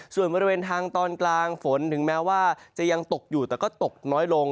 ส่วนบริเวณทางตอนกลางฝนถึงแม้ว่าจะยังตกอยู่แต่ก็ตกน้อยลง